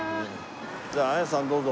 じゃあ亜矢さんどうぞ。